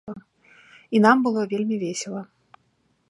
І нам было вельмі весела.